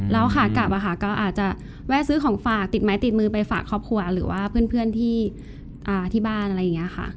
แล้วขากลับก็อาจจะแวะซื้อของฝากติดไม้ติดมือไปฝากครอบครัวหรือว่าเพื่อนที่บ้านอะไรอย่างนี้ค่ะ